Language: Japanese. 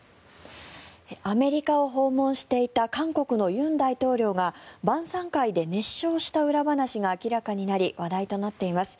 アメリカを訪問していた韓国の尹錫悦大統領が晩さん会で熱唱した裏話が明らかになり話題となっています。